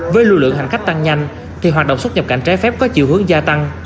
với lưu lượng hành khách tăng nhanh thì hoạt động xuất nhập cảnh trái phép có chiều hướng gia tăng